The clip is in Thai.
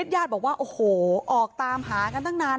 ญาติบอกว่าโอ้โหออกตามหากันตั้งนาน